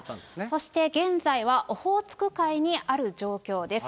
そして現在はオホーツク海にある状況です。